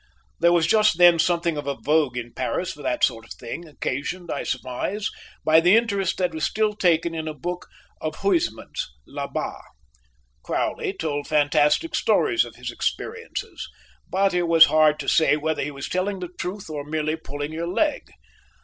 There was just then something of a vogue in Paris for that sort of thing, occasioned, I surmise, by the interest that was still taken in a book of Huysmans's, Là Bas. Crowley told fantastic stories of his experiences, but it was hard to say whether he was telling the truth or merely pulling your leg.